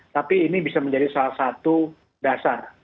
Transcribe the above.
tapi ini bisa menjadi salah satu dasar